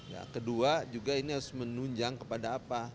ya kedua juga ini harus menunjang kepada apa